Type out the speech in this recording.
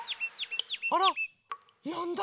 あら？やんだ！